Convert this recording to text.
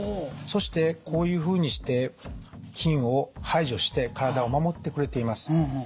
そしてこういうふうにして菌を排除して体を守ってくれています。